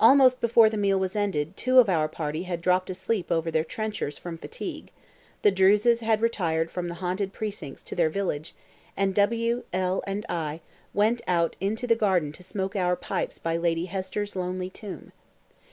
Almost before the meal was ended two of our party had dropped asleep over their trenchers from fatigue; the Druses had retired from the haunted precincts to their village; and W , L , and I went out into the garden to smoke our pipes by Lady Hester's lonely tomb.